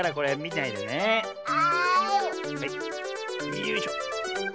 よいしょ。